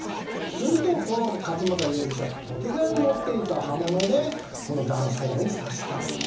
すると勝又容疑者が突然持っていた刃物で男性を刺した。